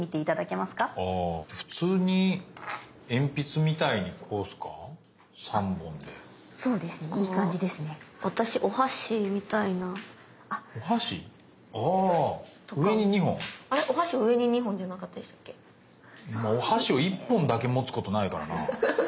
まあお箸を１本だけ持つことないからな。